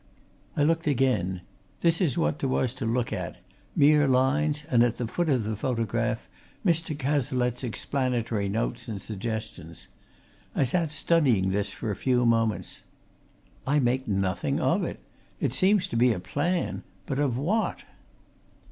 I looked again this is what there was to look at: mere lines, and at the foot of the photograph, Mr. Cazalette's explanatory notes and suggestions: I sat studying this for a few moments. "I make nothing of it. It seems to be a plan. But of what?"